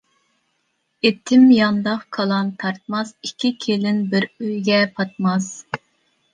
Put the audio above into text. ئېتىم يانداق، كالام تارتماس، ئىككى كېلىن بىر ئۆيگە پاتماس.